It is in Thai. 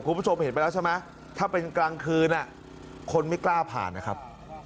คุณผู้ชมเห็นไปแล้วใช่ไหมถ้าเป็นกลางคืนคนไม่กล้าผ่านนะครับ